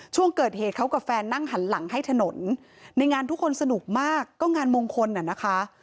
ช่วงเกิดเหตุเขากับแฟนนั่งหันหลังให้ถนนในงานทุกคนสนุกมากก็งานมงคลน่ะนะคะ